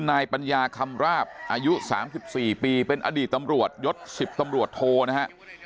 นายปัญญาคำราบอายุ๓๔ปีเป็นอดีตตำรวจยศ๑๐ตำรวจโทนะฮะ